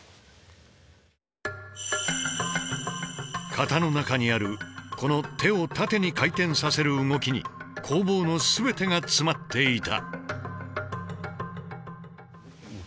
型の中にあるこの手を縦に回転させる動きに攻防の全てが詰まっていた。